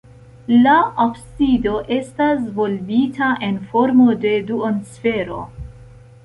La absido estas volbita en formo de duonsfero.